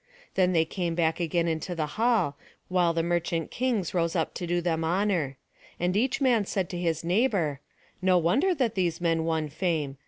Then they came back again into the hall, while the merchant kings rose up to do them honour. And each man said to his neighbour: "No wonder that these men won fame.